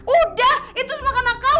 udah itu semua karena kamu